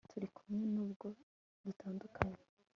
Turi kumwe nubwo dutandukanye